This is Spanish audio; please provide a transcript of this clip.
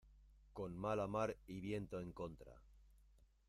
con mala mar y con viento en contra